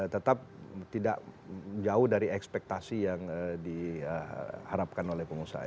tetap tidak jauh dari ekspektasi yang diharapkan oleh pengusaha